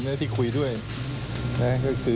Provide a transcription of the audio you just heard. สวัสดีครับทุกคน